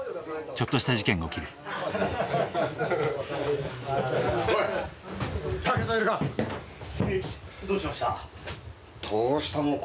ちょっとした事件が起きるおい！